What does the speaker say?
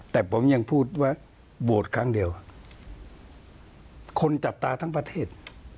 แต่ผมยังพูดว่าโหวตครั้งเดียวคนจับตาทั้งประเทศ